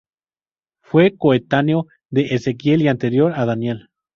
Fue coetáneo de Ezequiel y anterior a Daniel.